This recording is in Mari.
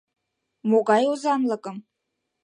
— Могай озанлыкым?